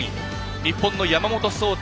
日本の山本草太